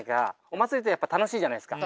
お祭りってやっぱ楽しいじゃないですか。